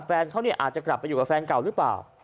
แฟนเขาเนี่ยอาจจะกลับไปอยู่กับแฟนเก่าหรือเปล่า